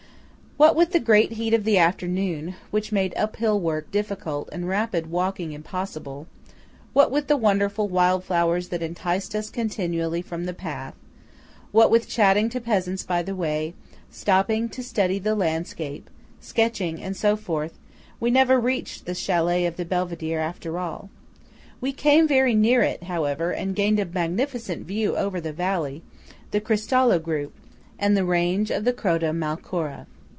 What with the great heat of the afternoon, which made uphill work difficult and rapid walking impossible; what with the wonderful wild flowers that enticed us continually from the path; what with chatting to peasants by the way, stopping to study the landscape, sketching and so forth, we never reached the chalet of the Belvedere, after all. We came very near it, however, and gained a magnificent view over the valley, the Cristallo group, and the range of the Croda Malcora.